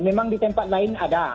memang di tempat lain ada